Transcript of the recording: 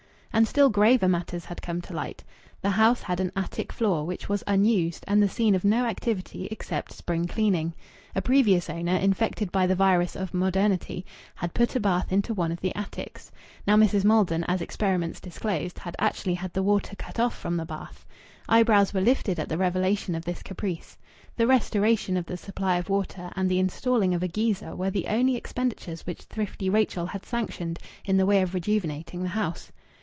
And still graver matters had come to light. The house had an attic floor, which was unused and the scene of no activity except spring cleaning. A previous owner, infected by the virus of modernity, had put a bath into one of the attics. Now Mrs. Maldon, as experiments disclosed, had actually had the water cut off from the bath. Eyebrows were lifted at the revelation of this caprice. The restoration of the supply of water and the installing of a geyser were the only expenditures which thrifty Rachel had sanctioned in the way of rejuvenating the house.